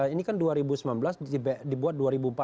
ini kan dua ribu sembilan belas dibuat dua ribu empat belas